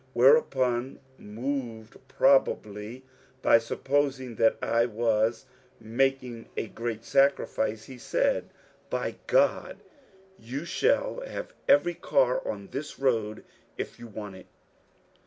Whereupon (moved probably by supposing that I was making a great sacrifice) he said, " By God, yon shall have every car on this road if you want it